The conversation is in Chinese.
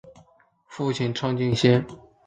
父亲畅敬先。